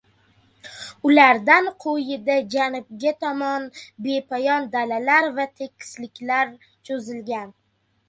Ulardan quyida janubga tomon bepoyon dalalar va tekisliklar choʻzilgan.